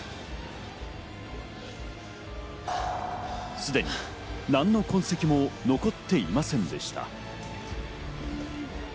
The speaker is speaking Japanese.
すでに何の痕跡も残っていませんでした。